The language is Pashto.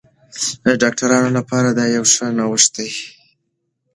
ډاکټرانو لپاره دا یو نوښت دی.